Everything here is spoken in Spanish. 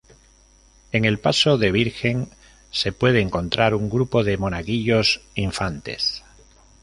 En el paso de Virgen se puede encontrar, un grupo de monaguillos infantes.